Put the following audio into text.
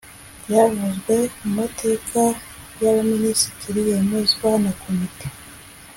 Byavuzwe mu mateka y’abaminisitiri yemezwa na komite